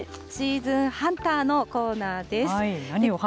シーズンハンターのコーナーです。